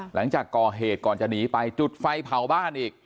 หลังจากก่อเหตุก่อนจะหนีไปจุดไฟเผาบ้านอีก